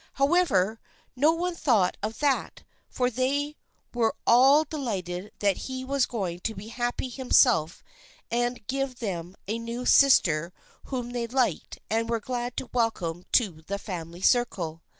However, no one thought of that, for they were all delighted that he was going to be happy himself and give them a new sister whom they liked and were glad to welcome to the family circle.